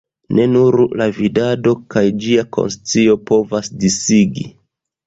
Ne nur la vidado kaj ĝia konscio povas disigi.